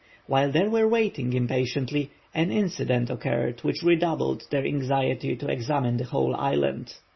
While they were waiting impatiently, an incident occurred which redoubled their anxiety to examine the whole island.